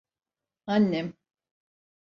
Annem.